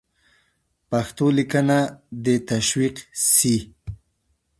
پښتو لیکنه دې تشویق سي.